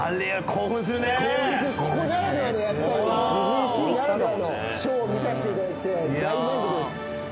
ここならではのディズニーシーならではのショーを見させていただいて大満足です。